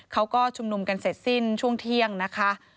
เขาก็ชุมนุมกันเสร็จสิ้นช่วงเที่ยงนะคะ